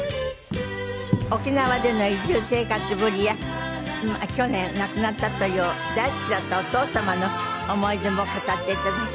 沖縄での移住生活ぶりや去年亡くなったという大好きだったお父様の思い出も語っていただきます。